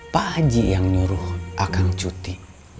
pak aji yang nyuruh akang cuti